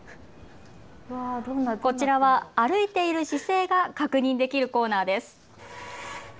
こちらは歩いている姿勢が確認できるコーナーです。